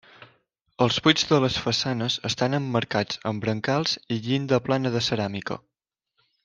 Els buits de les façanes estan emmarcats amb brancals i llinda plana de ceràmica.